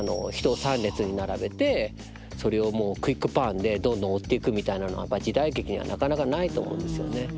人を３列に並べてそれをもうクイックパンでどんどん追っていくみたいなのは時代劇にはなかなかないと思うんですよね。